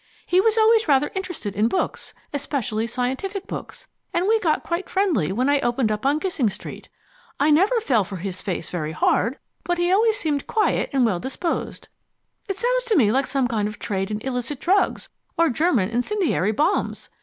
He was always rather interested in books, especially scientific books, and we got quite friendly when I opened up on Gissing Street. I never fell for his face very hard, but he always seemed quiet and well disposed. It sounds to me like some kind of trade in illicit drugs, or German incendiary bombs.